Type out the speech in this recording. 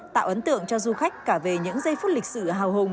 tạo ấn tượng cho du khách cả về những giây phút lịch sử hào hùng